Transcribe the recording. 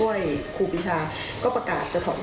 ขอเตือนไว้นะจะค้าหรือจะสมาคมกับคนพวกนี้ขอให้คิดให้ดี